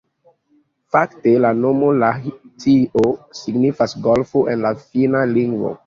Fakte la nomo Lahtio signifas golfo en la finna lingvo.